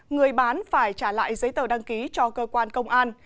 người bán phải trả lại giấy tờ đăng ký cho cơ quan công an